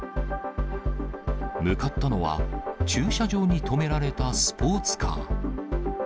向かったのは駐車場に止められたスポーツカー。